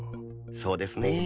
そうですね。